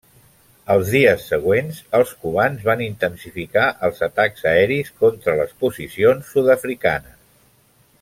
Els dies següents, els cubans van intensificar els atacs aeris contra les posicions sud-africanes.